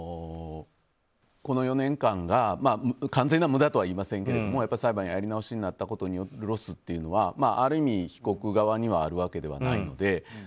この４年間が完全な無駄とは言いませんが裁判をやり直しになったことによるロスというのはある意味、被告側にはあるわけではないので。